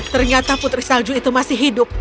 ternyata putri salju itu masih hidup